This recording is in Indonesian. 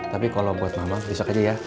tapi kalau buat mak mang bisa aja ya